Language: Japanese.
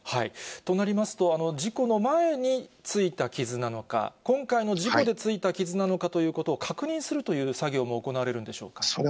となりますと、事故の前についた傷なのか、今回の事故でついた傷なのかということを確認するという作業も行われるんでしょうか。